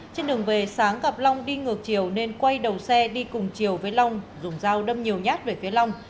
trên đường về sáng gặp long đi ngược chiều nên quay đầu xe đi cùng chiều với long dùng dao đâm nhiều nhát về phía long